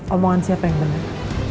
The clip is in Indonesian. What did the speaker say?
omongan siapa yang denger